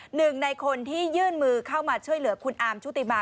หนึ่งในคนที่ยื่นมือเข้ามาช่วยเหลือคุณอาร์มชุติมา